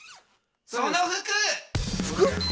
その服！服！？